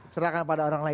serahkan pada orang lain